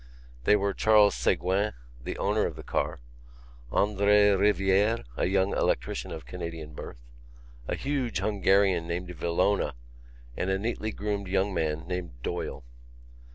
They were Charles Ségouin, the owner of the car; André Rivière, a young electrician of Canadian birth; a huge Hungarian named Villona and a neatly groomed young man named Doyle.